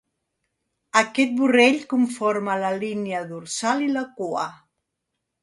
Aquest vorell conforma la línia dorsal i la cua.